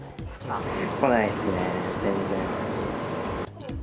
来ないですね、全然。